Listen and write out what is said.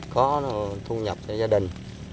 không hề giá nhờ bò có thu nhập cho gia đình